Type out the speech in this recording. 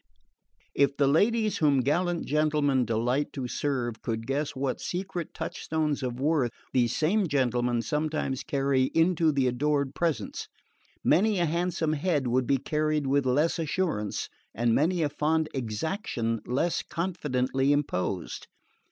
If the ladies whom gallant gentlemen delight to serve could guess what secret touchstones of worth these same gentlemen sometimes carry into the adored presence, many a handsome head would be carried with less assurance, and many a fond exaction less confidently imposed.